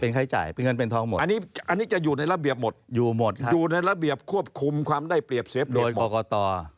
เป็นค่าใช้จ่ายเพียงเงินเป็นท้องหมดอันนี้จะอยู่ในระเบียบหมดอยู่หมดอยู่ในระเบียบควบคุมความได้เปรียบเสียเปรียบหมดโดยกรกตร